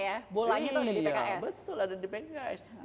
iya betul ada di pks